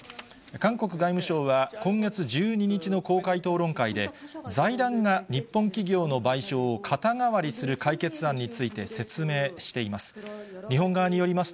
韓国外務省は、今月１２日の公開討論会で、財団が日本企業の賠償を肩代わりする解決案について説明しています。